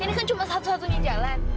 ini kan cuma satu satunya jalan